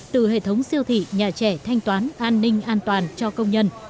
từ hệ thống siêu thị nhà trẻ thanh toán an ninh an toàn cho công nhân